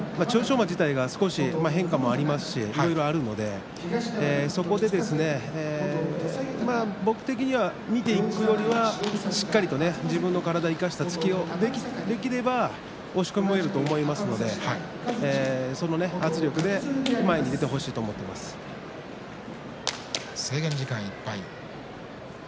馬自体は少し変化がありますしいろいろありますのでそこで僕的には見ていくよりもしっかりと自分の体を生かした突きができれば押し込めると思いますのでその圧力で前に出てほしいと制限時間いっぱい。